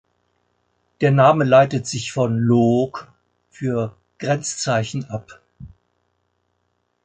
Der Name leitet sich von "Loog" für „Grenzzeichen“ ab.